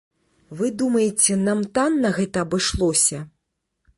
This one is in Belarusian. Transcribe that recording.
Вы думаеце, нам танна гэта абышлося?